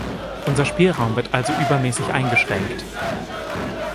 Unser Spielraum wird also übermäßig eingeschränkt.